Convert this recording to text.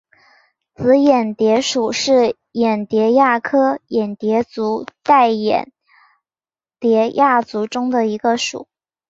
紫眼蝶属是眼蝶亚科眼蝶族黛眼蝶亚族中的一个属。